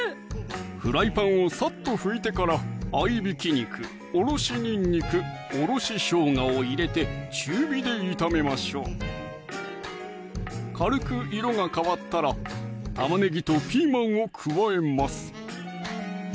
フライパンをサッと拭いてから合いびき肉・おろしにんにく・おろししょうがを入れて中火で炒めましょう軽く色が変わったら玉ねぎとピーマンを加えます